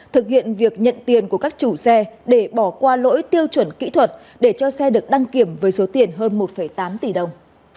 thực hiện việc nhận tiền của các chủ xe để bỏ qua lỗi tiêu chuẩn kỹ thuật để cho xe được đăng kiểm với số tiền hơn một tám tỷ đồng